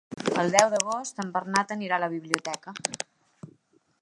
El deu d'agost en Bernat anirà a la biblioteca.